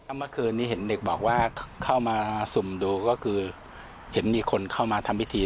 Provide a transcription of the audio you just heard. เมื่อคืนนี้เห็นเด็กบอกว่าเข้ามาสุ่มดูก็คือเห็นมีคนเข้ามาทำพิธี